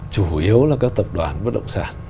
chủ yếu là các tập đoàn bất động sản